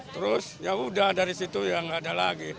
terus ya udah dari situ ya nggak ada lagi